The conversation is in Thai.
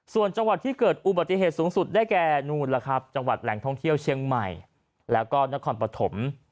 ส่วนจังหวัดที่เกิดอุบัติเหตุสูงสุดได้แก่นู่นล่ะครับจังหวัดแหล่งท่องเที่ยวเชียงใหม่แล้วก็นครปฐม